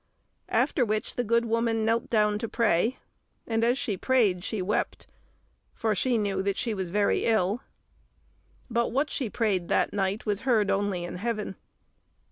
After which the good woman knelt down to pray, and as she prayed she wept, for she knew that she was very ill. But what she prayed that night was heard only in heaven.